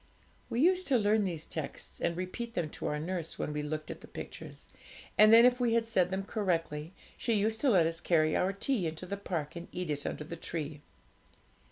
We used to learn these texts, and repeat them to our nurse when we looked at the pictures; and then, if we had said them correctly, she used to let us carry our tea into the park and eat it under the tree.